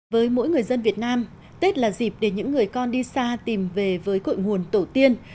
với mỗi người dân việt nam tết là dịp để những người con đi xa tìm về với cội nguồn tổ tiên